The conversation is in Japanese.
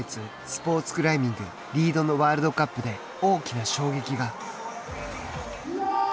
スポーツクライミング・リードのワールドカップで大きな衝撃が。